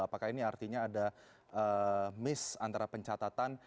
apakah ini artinya ada miss antara pencatatan